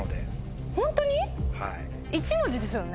１文字ですよね。